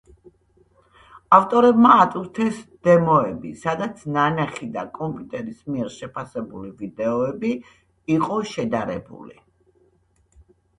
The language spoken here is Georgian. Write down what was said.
ავტორებმა ატვირთეს დემოები, სადაც ნანახი და კომპიუტერის მიერ შეფასებული ვიდეოები იყო შედარებული.